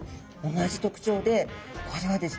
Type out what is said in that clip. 同じ特徴でこれはですね